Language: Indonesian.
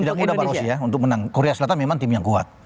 tidak mudah pak rosia untuk menang korea selatan memang tim yang kuat